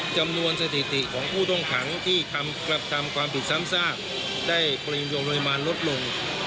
จำนวนสถิติของผู้ทงขังที่ทำกลับทำความผิดซ้ำซากได้ปริโยชน์โรยมาลลดลง